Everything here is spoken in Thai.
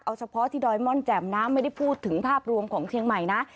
เอาเฉพาะที่ดอยม่อนแจ่มนะไม่ได้พูดถึงภาพรวมของเชียงใหม่นะ